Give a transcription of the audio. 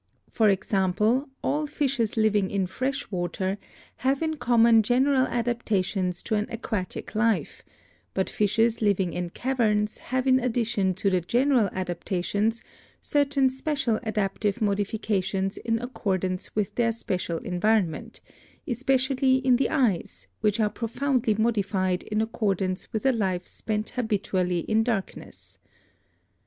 For example, all fishes living in fresh water have in common general adaptations to an aquatic life, but fishes living in caverns have in addition to the general adaptations certain special adaptive modifications in ac cordance with their special environment, especially in the eyes, which are profoundly modified in accordance with a life spent habitually in darkness.